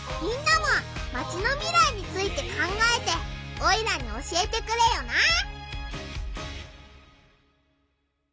みんなもマチの未来について考えてオイラに教えてくれよな！